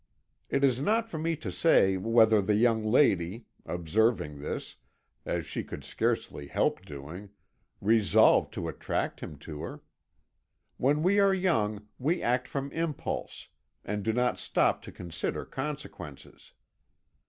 "It is not for me to say whether the young lady, observing this, as she could scarcely help doing, resolved to attract him to her. When we are young we act from impulse, and do not stop to consider consequences.